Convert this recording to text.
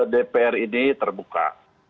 dpr ini terbuka